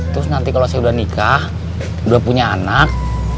terus nanti kalau saya udah nikah udah punya anak